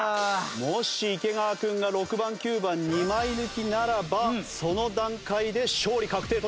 もし池川君が６番９番２枚抜きならばその段階で勝利確定となります。